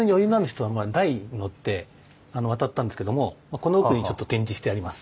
この奥にちょっと展示してあります。